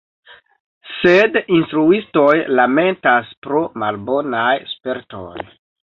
Sed instruistoj lamentas, pro malbonaj spertoj.